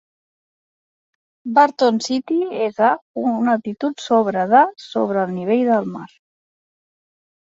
Barton City és a, a una altitud sobre de, sobre el nivell de la mar.